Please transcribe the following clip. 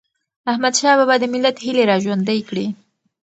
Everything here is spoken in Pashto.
احمدشاه بابا د ملت هيلي را ژوندی کړي.